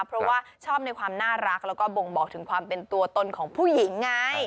เพราะว่าชอบในความน่ารักแล้วก็บ่งบอกถึงความเป็นตัวตนของผู้หญิงไง